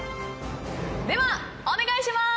ではお願いします！